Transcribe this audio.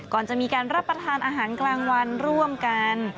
ก่อนจะมีการรับประทานอาหารกลางวันร่วมกัน